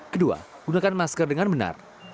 kedua gunakan masker dengan benar